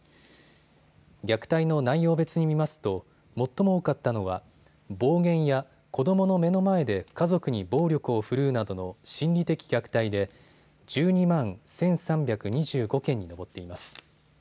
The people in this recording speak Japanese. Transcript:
虐待の内容別に見ますと、最も多かったのは暴言や、子どもの目の前で家族に暴力を振るうなどの心理的虐待で１２万１３２５件に上っています。